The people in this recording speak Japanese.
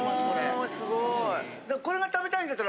おすごい。